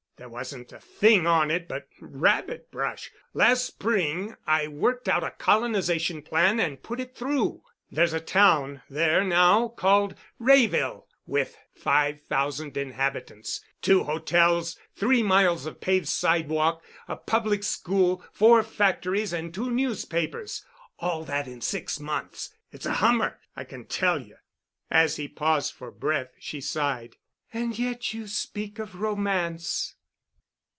There wasn't a thing on it but rabbit brush. Last spring I worked out a colonization plan and put it through. There's a town there now called Wrayville, with five thousand inhabitants, two hotels, three miles of paved sidewalk, a public school, four factories, and two newspapers. All that in six months. It's a hummer, I can tell you." As he paused for breath she sighed. "And yet you speak of romance."